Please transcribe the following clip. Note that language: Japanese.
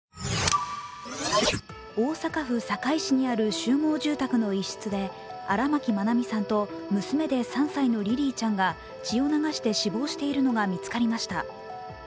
大阪府堺市にある集合住宅の一室で荒牧愛美さんと娘で３歳のリリィちゃんが血を流して死亡しているのが見つかりました。